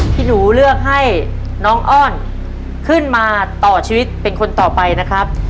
ที่หนูเลือกให้น้องอ้อนขึ้นมาต่อชีวิตเป็นคนต่อไปนะครับ